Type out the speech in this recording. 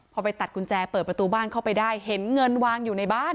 พอไปตัดกุญแจเปิดประตูบ้านเข้าไปได้เห็นเงินวางอยู่ในบ้าน